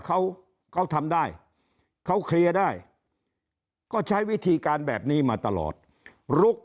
เขาเขาทำได้เขาเคลียร์ได้ก็ใช้วิธีการแบบนี้มาตลอดลุก